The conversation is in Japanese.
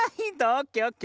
オッケーオッケー。